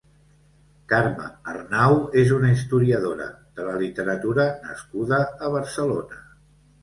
Carme Arnau és una historiadora de la literatura nascuda a Barcelona.